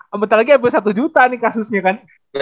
ampir lagi satu juta nih kasusnya kan